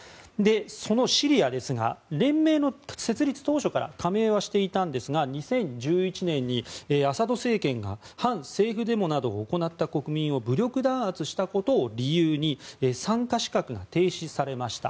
そのシリアですが連盟の設立当初から加盟はしていたんですが２０１１年にアサド政権が反政府デモなどを行った国民を武力弾圧したことを理由に参加資格が停止されました。